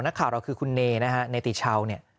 นักข่าวเราคือคุณเนในตีเช้า